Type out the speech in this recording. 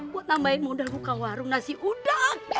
buat nambahin modal buka warung nasi udang